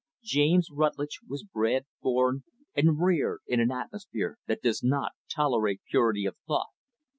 James Rutlidge was bred, born, and reared in an atmosphere that does not tolerate purity of thought.